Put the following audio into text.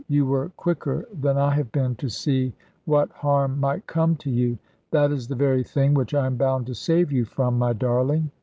You were quicker than I have been, to see what harm might come to you. That is the very thing which I am bound to save you from, my darling.